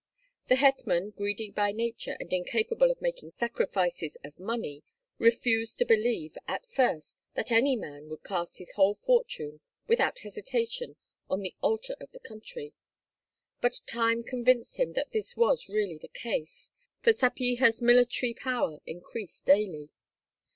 The hetman, greedy by nature and incapable of making sacrifices of money, refused to believe, at first, that any man would cast his whole fortune without hesitation on the altar of the country; but time convinced him that this was really the case, for Sapyeha's military power increased daily.